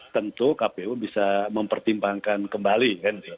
tentu kpu bisa mempertimbangkan kembali